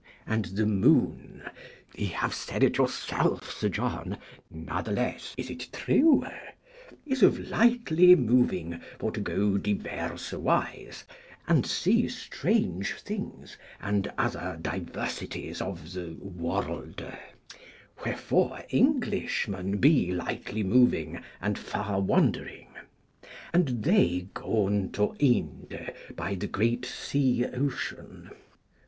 And the Moon (ye have said it yourself, Sir John, natheless, is it true) is of lightly moving, for to go diverse ways, and see strange things, and other diversities of the Worlde. Wherefore Englishmen be lightly moving, and far wandering. And they gon to Ynde by the great Sea Ocean.